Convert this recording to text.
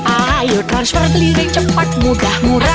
ayo transfer clearing cepat mudah mudah